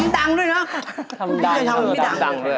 ทำดังด้วยนะ